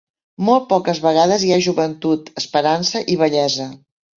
Molt poques vegades hi ha joventut, esperança i bellesa.